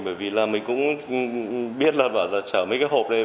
bởi vì mình cũng biết là trở mấy cái hộp này